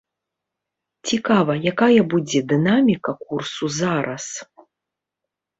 Цікава, якая будзе дынаміка курсу зараз.